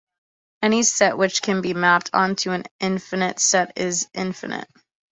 Any set which can be mapped onto an infinite set is infinite.